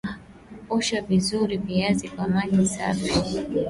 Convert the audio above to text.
Osha vizuri viazi kwa maji safi